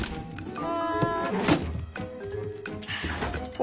あ。